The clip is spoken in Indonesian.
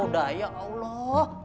udah ya allah